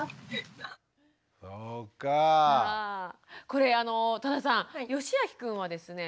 これあの多田さんよしあきくんはですね